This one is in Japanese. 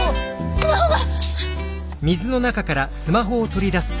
スマホが！